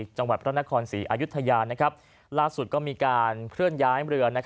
จังหวัดพระนครศรีอายุทยาล่าสุดก็มีการเคลื่อนย้ายเรือ